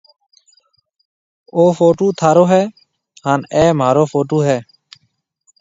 او ڦوٽُو ٿارو هيَ هانَ اَي مهارو ڦوٽُو هيَ۔